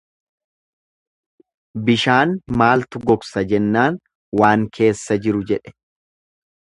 Bishaan maaltu gogsa jennaan waan keessa jiru jedhe.